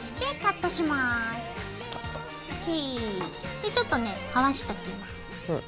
でちょっとねはわしておきます。